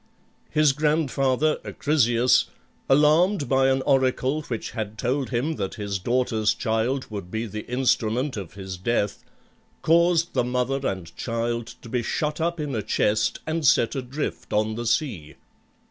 His grandfather Acrisius, alarmed by an oracle which had told him that his daughter's child would be the instrument of his death, caused the mother and child to be shut up in a chest and set adrift on the sea.